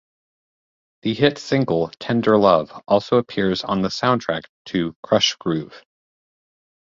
The hit single "Tender Love" also appears on the soundtrack to "Krush Groove".